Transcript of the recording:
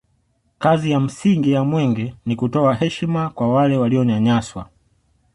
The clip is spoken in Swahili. kazi ya msingi ya mwenge ni kutoa heshima kwa wale walionyanyaswa